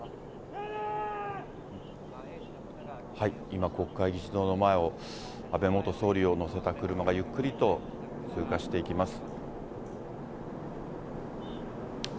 今、国会議事堂の前を安倍元総理を乗せた車がゆっくりと通過していきます。